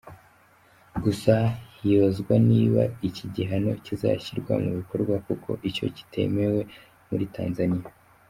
Gusa hibazwa niba iki gihano kizashyirwa mu bikorwa kuko icyo kitemewe muri Tanzaniya.